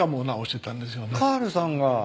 カールさんが？